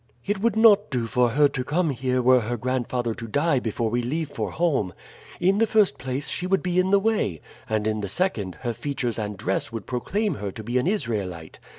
"It would not do for her to come here were her grandfather to die before we leave for home. In the first place, she would be in the way, and in the second, her features and dress would proclaim her to be an Israelite.